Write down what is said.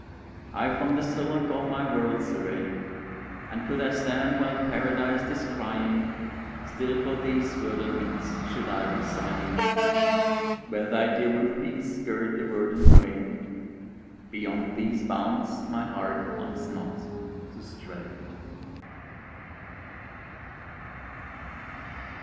I from this hillock all my world survey! And could I stand while Paradise descrying, Still for these verdant meads should I be sighing, Where thy dear roof peaks skirt the verdant way: Beyond these bounds my heart longs not to stray.